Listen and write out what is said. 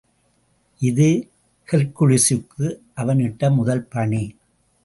இது ஹெர்க்குலிஸுக்கு அவன் இட்ட முதல் பணி.